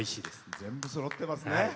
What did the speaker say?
全部そろってますね。